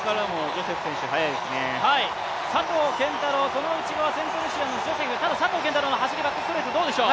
その内側セントルシアのジョセフただ佐藤拳太郎の走り、バックストレートはどうでしょう。